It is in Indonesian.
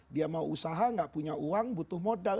dia mau usaha nggak punya uang butuh modal